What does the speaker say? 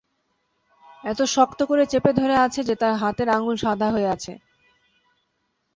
এত শক্ত করে চেপে ধরে আছে যে, তার হাতের আঙুল সাদা হয়ে আছে।